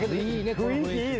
雰囲気いいね。